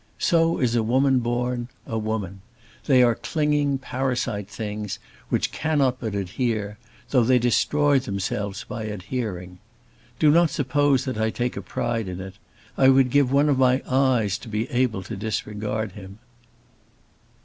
So is a woman born a woman. They are clinging, parasite things, which cannot but adhere; though they destroy themselves by adhering. Do not suppose that I take a pride in it. I would give one of my eyes to be able to disregard him."